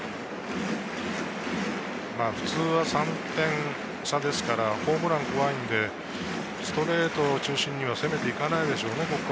普通は３点差ですから、ホームランが怖いので、ストレート中心に攻めていかないでしょうね。